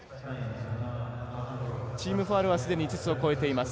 チームファウルはすでに５つを超えています。